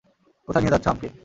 কোথায় নিয়ে যাচ্ছো আমকে?